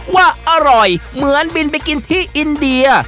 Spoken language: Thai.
ว่าอร่อยเหมือนบินไปกินที่อินเดีย